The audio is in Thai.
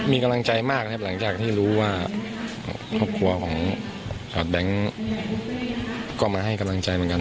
มีกำลังใจมากนะครับหลังจากที่รู้ว่าครอบครัวของแบงค์ก็มาให้กำลังใจเหมือนกัน